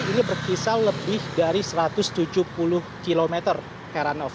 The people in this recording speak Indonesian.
ini berkisar lebih dari satu ratus tujuh puluh km heranov